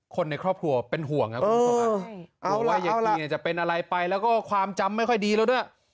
คนในครอบครัวเป็นห่วงเออเอาล่ะเอาล่ะจะเป็นอะไรไปแล้วก็ความจำไม่ค่อยดีแล้วด้วย